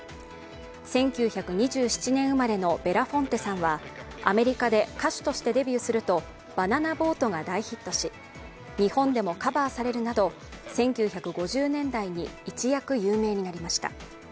１９２７年生まれのベラフォンテさんはアメリカで歌手としてデビューすると「バナナ・ボート」が大ヒットし日本でもカバーされるなど、１９５０年代に一躍有名になりました。